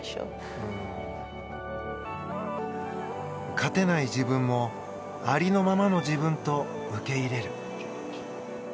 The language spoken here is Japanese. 勝てない自分もありのままの自分と受け入れる。